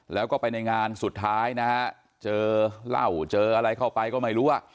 แล้วก็ไปในงานสุดท้ายนะฮะเจอเหล้าเจออะไรเข้าไปก็ไม่รู้อ่ะ